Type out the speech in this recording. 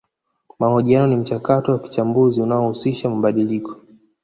Mahojiano ni mchakato wa kichambuzi unaohusisha mabadiliko